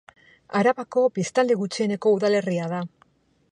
Arabako biztanle gutxieneko udalerria da.